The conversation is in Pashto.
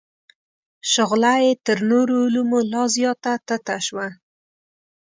شغله یې تر نورو علومو لا زیاته تته شوه.